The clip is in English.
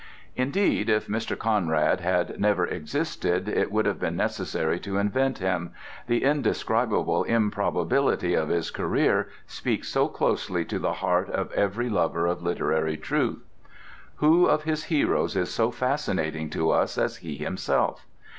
Indeed, if Mr. Conrad had never existed it would have been necessary to invent him, the indescribable improbability of his career speaks so closely to the heart of every lover of literary truth. Who of his heroes is so fascinating to us as he himself?